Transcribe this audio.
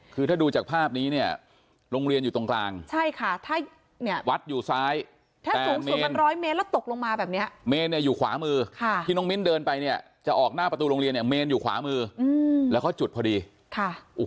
คือถ้าดูจากภาพนี้เนี่ยโรงเรียนอยู่ตรงกลางใช่ค่ะถ้าเนี่ยวัดอยู่ซ้ายถ้าสูงประมาณร้อยเมตรแล้วตกลงมาแบบเนี้ยเมนเนี่ยอยู่ขวามือค่ะที่น้องมิ้นเดินไปเนี่ยจะออกหน้าประตูโรงเรียนเนี่ยเมนอยู่ขวามือแล้วเขาจุดพอดีค่ะ